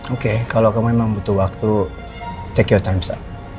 oke kalau kamu memang butuh waktu take your time sih